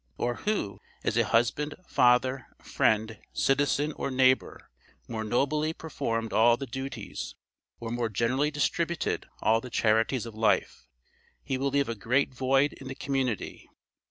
Or who, as a husband, father, friend, citizen, or neighbor, more nobly performed all the duties, or more generally distributed all the charities of life? He will leave a great void in the community.